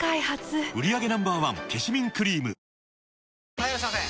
・はいいらっしゃいませ！